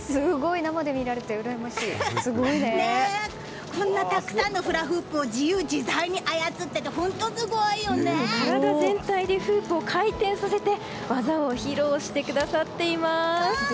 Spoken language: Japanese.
生で見られてこんなにたくさんのフラフープを自由自在に操ってて体全体でフープを回転させて技を披露してくださっています。